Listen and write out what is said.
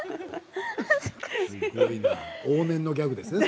往年のギャグですね。